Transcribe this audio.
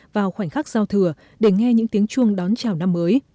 vào khoảnh khắc giao thừa để nghe những tiếng chuông đón chào năm mới